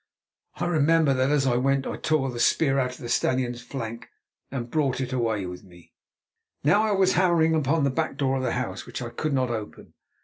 I remember that as I went I tore the spear out of the stallion's flank and brought it away with me. Now I was hammering upon the back door of the house, which I could not open.